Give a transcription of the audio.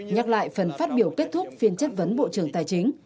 nhắc lại phần phát biểu kết thúc phiên chất vấn bộ trưởng tài chính